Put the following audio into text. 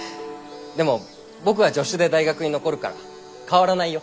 でも僕は助手で大学に残るから変わらないよ。